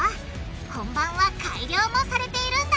本番は改良もされているんだ！